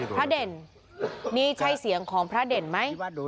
เด่นนี่ใช่เสียงของพระเด่นไหม